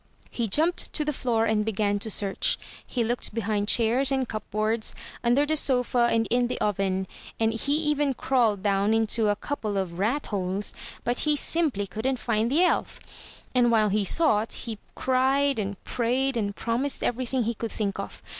He jumped to the floor and began to search. He looked be hind chairs and cupboards; under the sofa and in the oven, and he even crawled down into a couple of ratholes — ^but he simply couldn't find the elf. And while he sought, he cried and prayed and promised every thing he could think of.